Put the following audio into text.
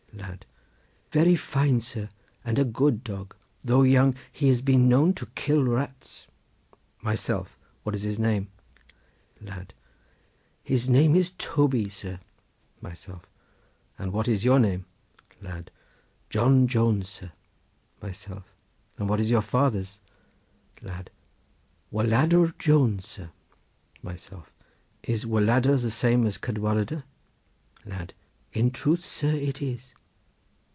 Lad.—Very fine, sir, and a good dog; though young, he has been known to kill rats. Myself.—What is his name? Lad.—His name is Toby, sir. Myself.—And what is your name? Lad.—John Jones, sir. Myself.—And what is your father's? Lad.—Waladr Jones, sir. Myself.—Is Waladr the same as Cadwaladr? Lad.—In truth, sir, it is.